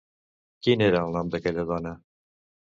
Quin era el nom d'aquella dona?